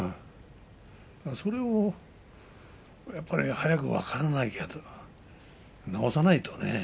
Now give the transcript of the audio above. それをやっぱり早く分からないとね